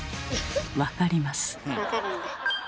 分かります。